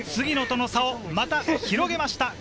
杉野との差をまた広げました。